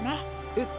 えっ？